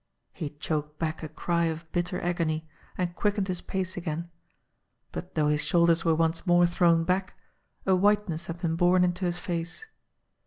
He choked back a cry of bitter agony, and quickened his 46 JIMMIE DALE AND THE PHANTOM CLUE pace again ; but though his shoulders were once more thrown back, a whiteness had been born into his face.